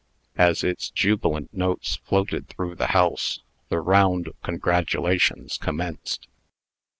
As its jubilant notes floated through the house, the round of congratulations commenced.